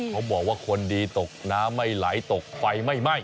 เขาบอกว่าคนดีตกน้ำไม่ไหลตกไฟไม่ไหม้